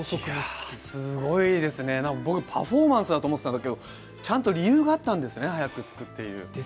すごいですね、僕パフォーマンスだと思ってたんですけどちゃんと理由があったんですね、早くつくっていう。